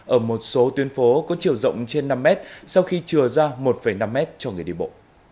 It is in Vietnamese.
ở một số tuyến phố có chiều rộng trên năm mét sau khi trừ ra một năm m cho người đi bộ